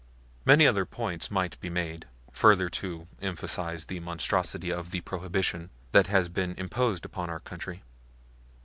Many other points might be made, further to emphasize the monstrosity of the Prohibition that has been imposed upon our country.